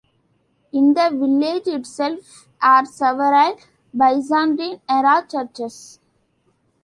In the village itself are several Byzantine-era churches.